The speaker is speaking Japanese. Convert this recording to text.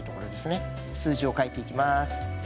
数字を変えていきます。